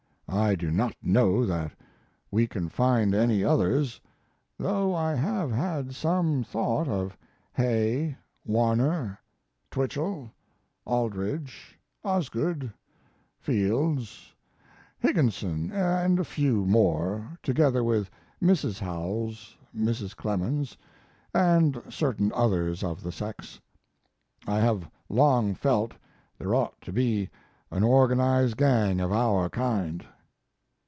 I do not know that we can find any others, though I have had some thought of Hay, Warner, Twichell, Aldrich, Osgood, Fields, Higginson, and a few more, together with Mrs. Howells, Mrs. Clemens, and certain others of the sex. I have long felt there ought to be an organized gang of our kind.